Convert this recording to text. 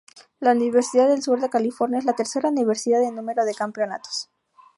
La Universidad del Sur de California es la tercera universidad en número de campeonatos.